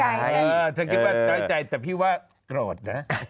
เธอคิดว่าน้อยใจแต่พี่ว่าโกรธนะ